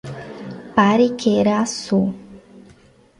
Pariquera-Açu